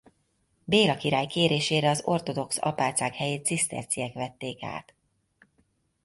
Béla király kérésére az ortodox apácák helyét ciszterciek vették át.